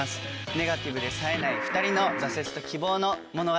ネガティブでさえない２人の挫折と希望の物語です。